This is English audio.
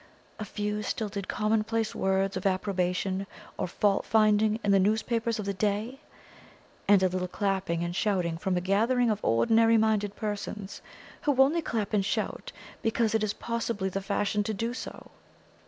A few stilted commonplace words of approbation or fault finding in the newspapers of the day, and a little clapping and shouting from a gathering of ordinary minded persons, who only clap and shout because it is possibly the fashion to do so.